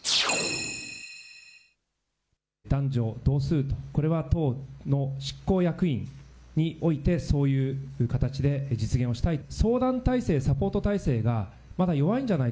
男女同数と、これは党の執行役員において、そういう形で実現をしたい。